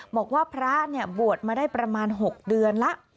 บอกว่าพระบวชมาได้ประมาณ๖เดือนแล้ว